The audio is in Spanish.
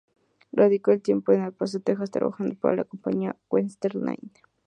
Radicó un tiempo en El Paso, Texas, trabajó para la compañía Western Line.